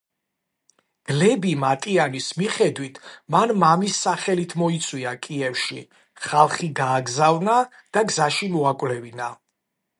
გლები მატიანის მიხედვით მან მამის სახელით მოიწვია კიევში, ხალხი გააგზავნა და გზაში მოაკვლევინა.